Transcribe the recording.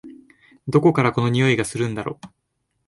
どこからこの匂いがするんだろ？